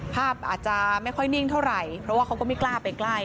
ภาพอาจจะไม่ค่อยนิ่งเท่าไหร่เพราะว่าเขาก็ไม่กล้าไปใกล้